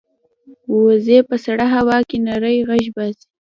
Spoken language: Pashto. وزې په سړه هوا کې نری غږ باسي